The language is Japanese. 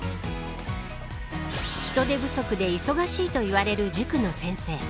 人手不足で忙しいといわれる塾の先生。